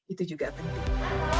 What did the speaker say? itu juga penting